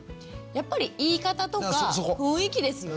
やっぱり言い方とか雰囲気ですよね。